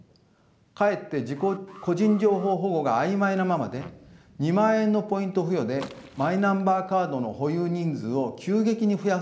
かえって個人情報保護が曖昧なままで２万円のポイント付与でマイナンバーカードの保有人数を急激に増やそうとしました。